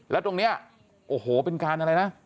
แล้วตรงนี้โอ้โหเป็นการอะไรนะ